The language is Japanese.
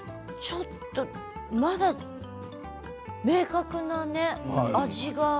ちょっとまだ明確なね、味が。